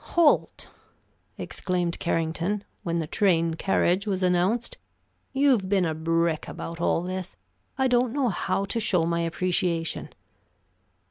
"Holt!" exclaimed Carrington, when the train carriage was announced, "you've been a brick about all this. I don't know how to show my appreciation."